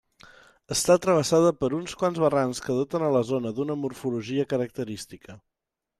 Està travessada per uns quants barrancs que doten a la zona d'una morfologia característica.